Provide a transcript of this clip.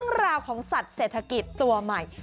เรื่องราวของสัตว์เศรษฐกิจตัวใหม่